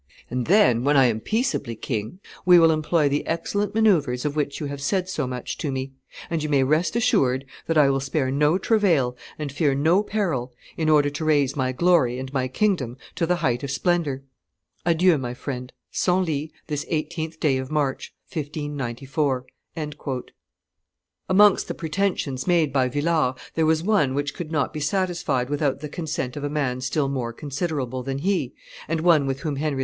And then, when I am peaceably king, we will employ the excellent manoeuvres of which you have said so much to me; and you may rest assured that I will spare no travail and fear no peril in order to raise my glory and my kingdom to the height of splendor. Adieu, my friend. Senlis, this 18th day of March, 1594." Amongst the pretensions made by Villars there was one which could not be satisfied without the consent of a man still more considerable than he, and one with whom Henry IV.